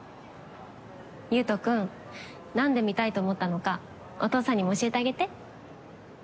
優斗君何で見たいと思ったのかお父さんにも教えてあげて？